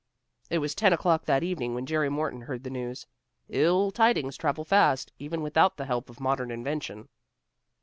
It was ten o'clock that evening when Jerry Morton heard the news. Ill tidings travel fast, even without the help of modern invention.